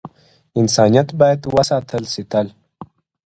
انسانيت بايد وساتل سي تل,